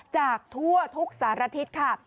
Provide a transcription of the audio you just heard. จากทั่วทุกสารทิศค่ะ